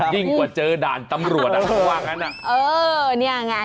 ยิ่งกว่าเจอด่านตำรวจอ่ะระหว่างนั้น